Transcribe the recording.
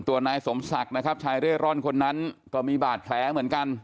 นายสมศักดิ์นะครับชายเร่ร่อนคนนั้นก็มีบาดแผลเหมือนกัน